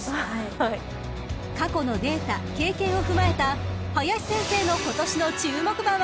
［過去のデータ経験を踏まえた林先生の今年の注目馬は］